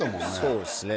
そうですね